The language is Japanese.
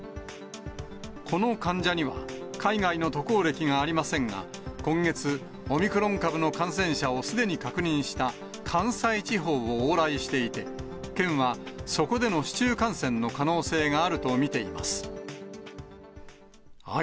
この患者には海外の渡航歴がありませんが、今月、オミクロン株の感染者をすでに確認した関西地方を往来していて、県はそこでの市中感染の可能性があると見ています。